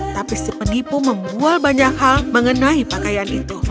tapi si penipu membual banyak hal mengenai pakaian itu